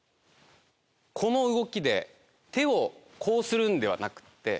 この動きで手をこうするんではなくって。